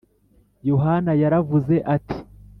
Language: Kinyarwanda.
Yohana yaravuze ati